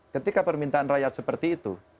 ketika permintaan rakyat seperti itu